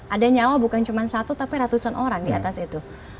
ada nyawa bukan cuma satu tapi ratusan orang di atas itu